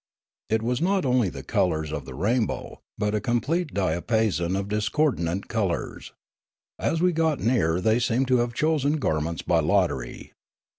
It was not the colours of the rainbow, but a complete diapason of discordant colours. As we got nearer they seemed to have chosen garments by lottery.